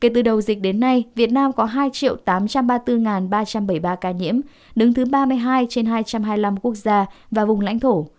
kể từ đầu dịch đến nay việt nam có hai tám trăm ba mươi bốn ba trăm bảy mươi ba ca nhiễm đứng thứ ba mươi hai trên hai trăm hai mươi năm quốc gia và vùng lãnh thổ